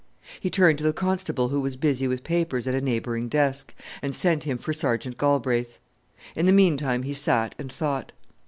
He turned to the constable who was busy with papers at a neighbouring desk, and sent him for Sergeant Galbraith. In the meantime he sat and thought.